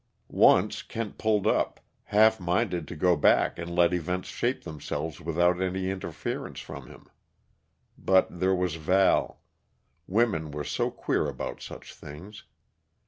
Once Kent pulled up, half minded to go back and let events shape themselves without any interference from him. But there was Val women were so queer about such things.